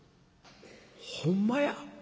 「ほんまや。